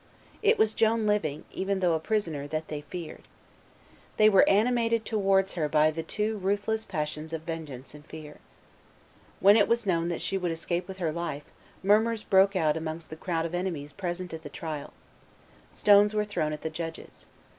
It was Joan living, even though a prisoner, that they feared. They were animated towards her by the two ruthless passions of vengeance and fear. When it was known that she would escape with her life, murmurs broke out amongst the crowd of enemies present at the trial. Stones were thrown at the judges.